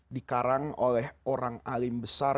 dikarang oleh orang alim besar